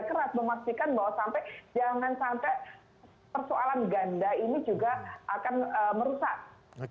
keras memastikan bahwa sampai jangan sampai persoalan ganda ini juga akan merusak